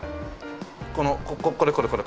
このこれこれこれこれ。